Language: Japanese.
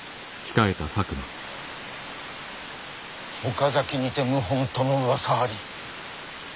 岡崎にて謀反とのうわさあり。